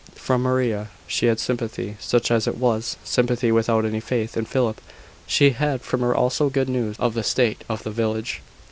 From Maria she had sympathy, such as it was sympathy without any faith in Philip. She had from her also good news of the state of the village.